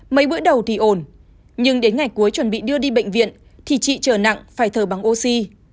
mấy bữa đầu thì ổn nhưng đến ngày cuối chuẩn bị đưa đi bệnh viện thì chị trở nặng phải thở bằng oxy